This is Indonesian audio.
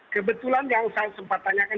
kebetulan yang saya sempat tanyakan